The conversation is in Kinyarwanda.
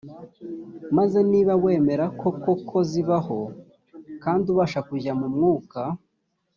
maze niba wemera koko ko zibaho kandi ubasha kujya mu mwuka